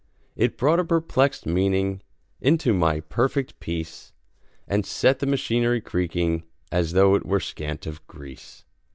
It brought a perplexed meaning Into my perfect piece, And set the machinery creaking As though it were scant of grease.